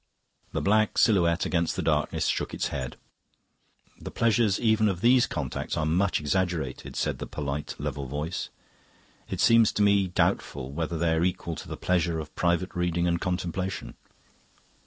The black silhouette against the darkness shook its head. "The pleasures even of these contacts are much exaggerated," said the polite level voice. "It seems to me doubtful whether they are equal to the pleasures of private reading and contemplation.